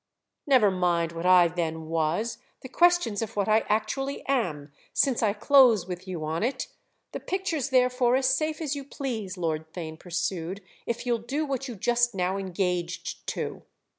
"Never mind what I then was—the question's of what I actually am, since I close with you on it The picture's therefore as safe as you please," Lord Theign pursued, "if you'll do what you just now engaged to."